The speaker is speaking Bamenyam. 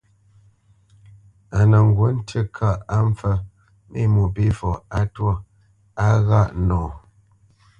A nə ŋgǔ ŋtí kâʼ á mpfə́ mé Mwôpéfɔ á twâ á ghâʼ nɔ.